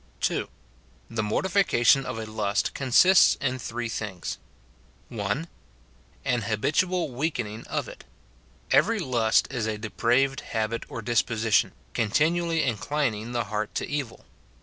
2. The mortification of a lust consists in three things :— (1.) An habitual weakening of it. Every lust is a depraved habit or disposition, continually inclining the heart to evil.